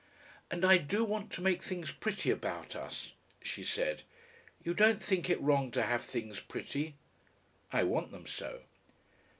"And I do want to make things pretty about us," she said. "You don't think it wrong to have things pretty?" "I want them so."